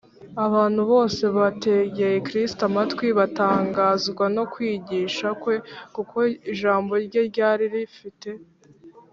abantu bose bategeye kristo amatwi, “batangazwaga no kwigisha kwe, kuko ijambo rye ryari rifite